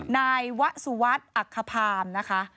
นายวะสุวัตอักภาพนะคะ